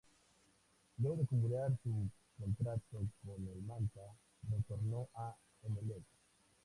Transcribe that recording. Luego de culminar su contrato con el Manta, retornó a Emelec.